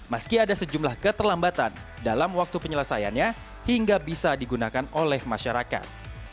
meski ada sejumlah keterlambatan dalam waktu penyelesaiannya hingga bisa digunakan oleh masyarakat